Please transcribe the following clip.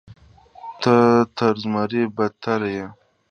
ته تر زمري بدتر یې.